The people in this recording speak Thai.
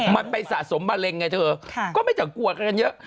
มันไปสะสมมะเร็งไงเธอก็ไม่แต่กลัวกันเยอะ